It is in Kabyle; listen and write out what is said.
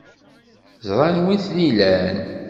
Ẓran wi ten-ilan.